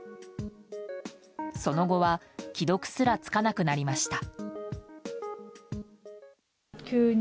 その後は既読すらつかなくなりました。